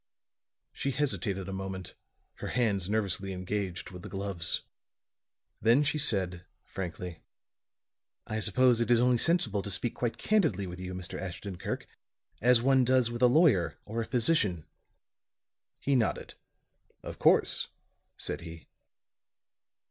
She hesitated a moment, her hands nervously engaged with the gloves. Then she said, frankly. "I suppose it is only sensible to speak quite candidly with you, Mr. Ashton Kirk, as one does with a lawyer or a physician." He nodded. "Of course," said he.